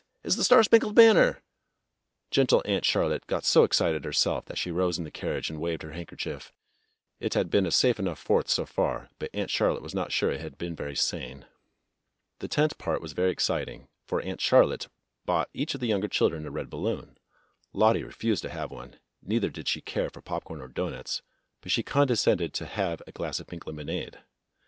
It's ' The Star Spangled Banner '!" Gentle Aunt Charlotte got so excited herself that she rose in the carriage and waved her handkerchief. It had been a safe enough Fourth so far, but Aunt Charlotte was not sure it had been very sane. The tent part was very exciting, for Aunt Charlotte bought each of the younger children a red balloon. Lottie refused to have one, neither did she care for popcorn or doughnuts, but she condescended to have a glass of pink lemonade.